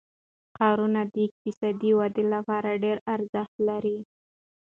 ښارونه د اقتصادي ودې لپاره ډېر ارزښت لري.